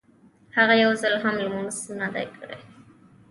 هغه يو ځل هم لمونځ نه دی کړی.